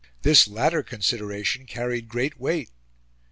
This latter consideration carried great weight.